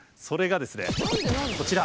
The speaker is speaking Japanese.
それがですね何で？